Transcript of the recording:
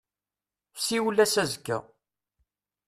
Siwel-as azekka.